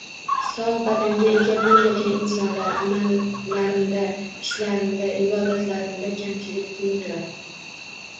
Sog’ badanga ega bo’lmagan insonlar amallarinda, ishlarinda, ibodatlarinda kamchilik qilurlar